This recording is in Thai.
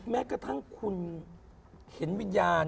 แม้กระทั่งคุณเห็นวิญญาณ